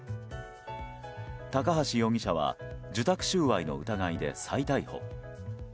高橋容疑者は受託収賄の疑いで再逮捕。